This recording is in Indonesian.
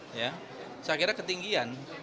saya kira ketinggian